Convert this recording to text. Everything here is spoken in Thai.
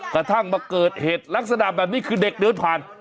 กระทั่งมาเกิดเหตุลักษณะแบบนี้คือเด็กเดินผ่าน